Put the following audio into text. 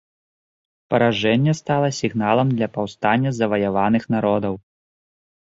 Паражэнне стала сігналам для паўстання заваяваных народаў.